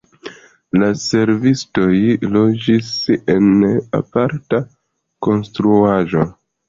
La servistoj loĝis en aparta konstruaĵo.